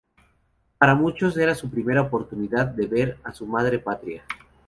Para muchos era su primera oportunidad de ver a su madre patria.